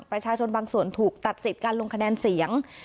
ประชาชนบางส่วนถูกตัดสิทธิ์การลงคะแนนเสียง